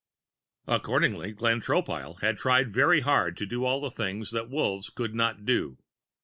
Accordingly, Glenn Tropile had tried very hard to do all the things that Wolves could not do.